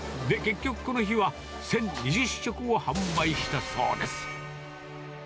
で、結局この日は、１０２０食を販売したそうです。